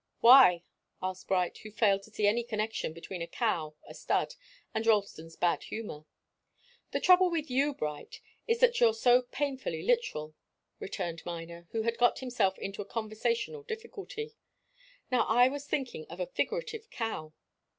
"Why?" asked Bright, who failed to see any connection between a cow, a stud and Ralston's bad humour. "The trouble with you, Bright, is that you're so painfully literal," returned Miner, who had got himself into a conversational difficulty. "Now I was thinking of a figurative cow."